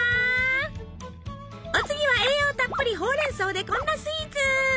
お次は栄養たっぷりほうれん草でこんなスイーツ。